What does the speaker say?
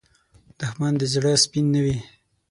دښمن د زړه سپین نه وي